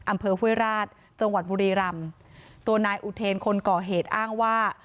อำเภอห้วยราชจังหวัดบุรีรำตัวนายอุเทนคนก่อเหตุอ้างว่า